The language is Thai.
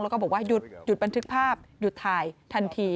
แล้วก็บอกว่าหยุดบันทึกภาพหยุดถ่ายทันที